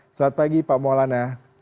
selamat pagi pak maulana